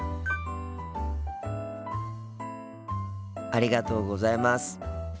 ありがとうございます。